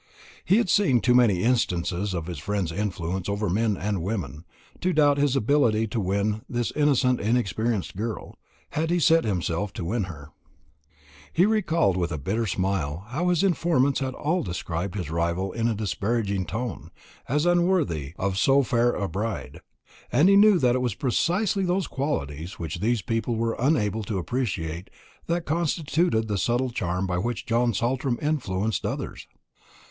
He had seen too many instances of his friend's influence over men and women, to doubt his ability to win this innocent inexperienced girl, had he set himself to win her. He recalled with a bitter smile how his informants had all described his rival in a disparaging tone, as unworthy of so fair a bride; and he knew that it was precisely those qualities which these common people were unable to appreciate that constituted the subtle charm by which John Saltram influenced others.